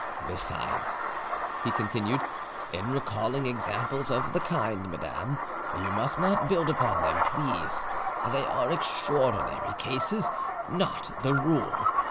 "Besides," he continued, "in recalling examples of the kind, madame, you must not build upon them, please: they are extraordinary cases, not the rule.